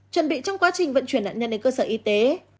chuẩn bị trong quá trình vận chuyển nạn nhân đến cơ sở y tế